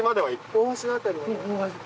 大橋の辺りは。